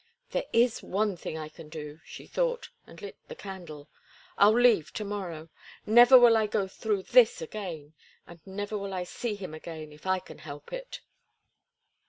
"There is one thing I can do," she thought, and lit the candle. "I'll leave to morrow. Never will I go through this again, and never will I see him again if I can help it."